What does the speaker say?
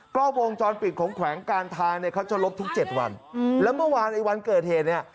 ก็วงจรปิดของแขวงการทางเนี่ยเขาจะลบทุกเจ็ดวันอืมแล้วเมื่อวานไอ้วันเกิดเหตุเนี่ย